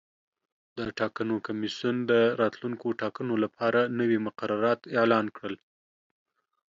د ټاکنو کمیسیون د راتلونکو ټاکنو لپاره نوي مقررات اعلان کړل.